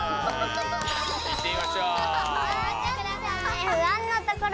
いってみましょう。